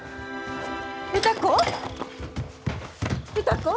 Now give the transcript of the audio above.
歌子？